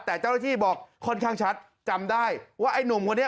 แต่เจ้าหน้าที่บอกค่อนข้างชัดจำได้ว่าไอ้หนุ่มคนนี้